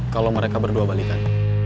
kalau mereka berdua balikan